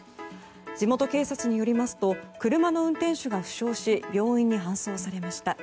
地元警察によりますと車の運転手が負傷し病院に搬送されました。